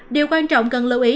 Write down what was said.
điều quan trọng cần lưu ý